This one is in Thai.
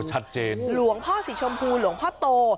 หลวงพ่อสีชมพูหลวงพ่อโต